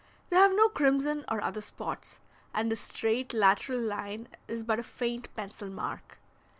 They have no crimson or other spots, and the straight lateral line is but a faint pencil mark.